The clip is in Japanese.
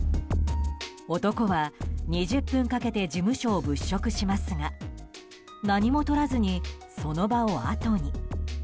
男は２０分かけて事務所を物色しますが何もとらずにその場を後に。